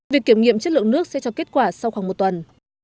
việc kiểm nghiệm chất lượng nước sẽ cho kết quả sau khoảng một tuần